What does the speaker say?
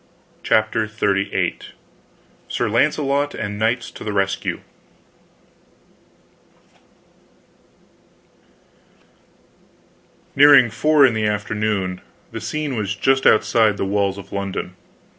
CHAPTER XXXVIII SIR LAUNCELOT AND KNIGHTS TO THE RESCUE Nearing four in the afternoon. The scene was just outside the walls of London.